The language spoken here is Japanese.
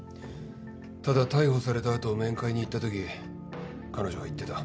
ただ逮捕されたあと面会に行ったとき彼女は言ってた。